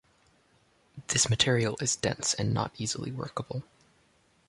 This material is dense and not easily workable.